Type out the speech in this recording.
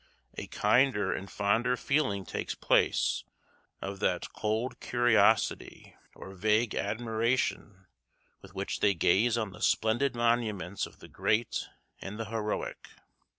A kinder and fonder feeling takes place of that cold curiosity or vague admiration with which they gaze on the splendid monuments of the great and the heroic.